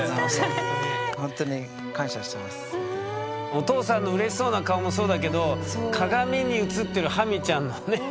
お父さんのうれしそうな顔もそうだけど鏡に映ってるハミちゃんのね。